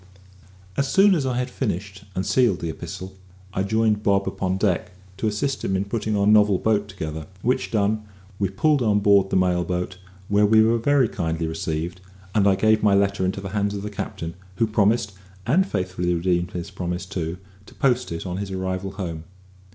As soon as I had finished and sealed the epistle, I joined Bob upon deck to assist him in putting our novel boat together, which done, we pulled on board the mail boat, where we were very kindly received; and I gave my letter into the hands of the captain, who promised (and faithfully redeemed his promise too) to post it on his arrival home.